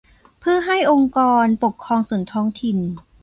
เพื่อให้องค์กรปกครองส่วนท้องถิ่น